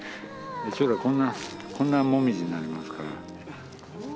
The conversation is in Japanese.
将来こんなもみじになりますから。